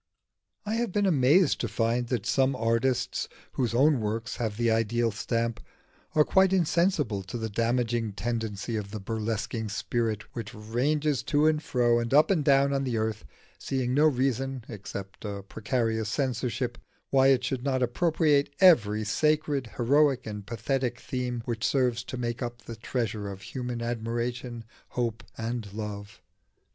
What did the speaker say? I have been amazed to find that some artists whose own works have the ideal stamp, are quite insensible to the damaging tendency of the burlesquing spirit which ranges to and fro and up and down on the earth, seeing no reason (except a precarious censorship) why it should not appropriate every sacred, heroic, and pathetic theme which serves to make up the treasure of human admiration, hope, and love.